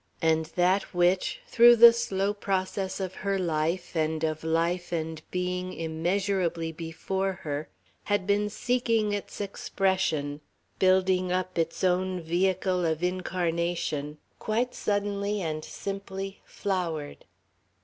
And that which, through the slow process of her life and of life and being immeasurably before her, had been seeking its expression, building up its own vehicle of incarnation, quite suddenly and simply flowered.